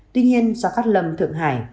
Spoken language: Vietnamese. tuy nhiên do cát lâm thượng hải